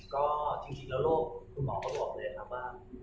ก็จริงแล้วโรคคุณหมอก็บอกเลยครับว่า